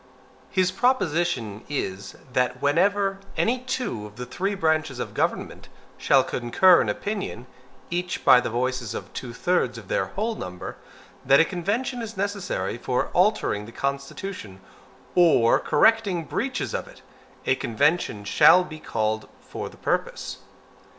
His proposition is, "that whenever any two of the three branches of government shall concur in opinion, each by the voices of two thirds of their whole number, that a convention is necessary for altering the constitution, or CORRECTING BREACHES OF IT, a convention shall be called for the purpose."